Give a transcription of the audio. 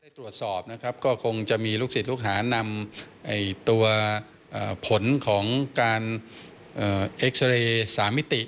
ตรวจสอบนะครับก็คงจะมีลูกศิษย์ลูกหานำตัวผลของการเอ็กซาเรย์๓มิติ